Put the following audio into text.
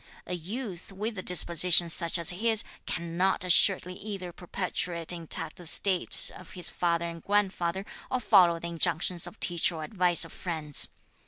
A youth, with a disposition such as his, cannot assuredly either perpetuate intact the estate of his father and grandfather, or follow the injunctions of teacher or advice of friends.